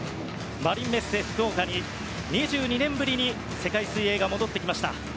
マリンメッセ福岡に２２年ぶりに世界水泳が戻ってきました。